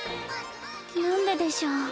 なんででしょう。